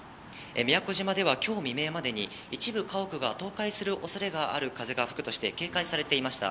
宮古島ではきょう未明までに一部家屋が倒壊するおそれがある風が吹くとして警戒されていました。